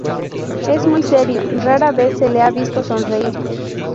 Es muy serio, rara vez se le ha visto sonreír.